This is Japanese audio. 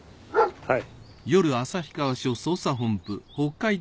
はい。